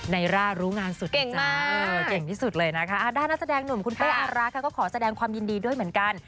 ในร่ารู้งานสุดเก่งที่สุดเลยนะคะด้านนักแสดงหนุ่มคุณเป้อาราค่ะก็ขอแสดงความยินดีด้วยเหมือนกัน